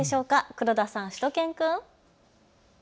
黒田さん、しゅと犬くん。